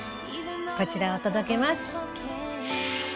こちらを届けます。